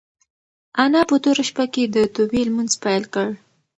انا په توره شپه کې د توبې لمونځ پیل کړ.